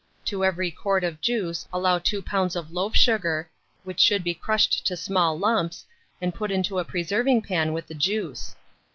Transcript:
To every quart of juice allow 2 lbs. of loaf sugar, which should be crushed to small lumps, and put into a preserving pan with the juice.